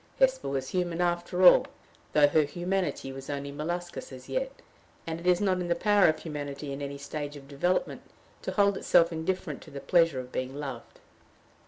Hesper was human after all, though her humanity was only molluscous as yet, and it is not in the power of humanity in any stage of development to hold itself indifferent to the pleasure of being loved.